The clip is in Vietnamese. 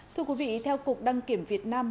thưa quý vị theo cục đăng kiểm việt nam